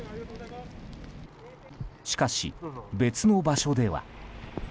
しかし、別の場所では。